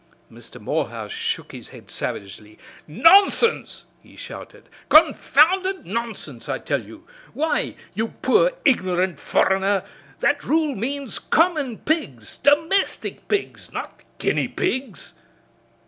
Mr. Morehouse shook his head savagely. "Nonsense!" he shouted, "confounded nonsense, I tell you! Why, you poor ignorant foreigner, that rule means common pigs, domestic pigs, not guinea pigs!"